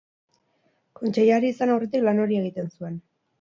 Kontseilari izan aurretik lan hori egiten zuen.